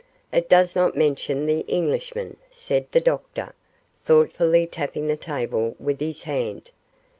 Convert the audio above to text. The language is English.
'It does not mention the Englishman,' said the doctor, thoughtfully tapping the table with his hand.